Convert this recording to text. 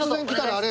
あれ？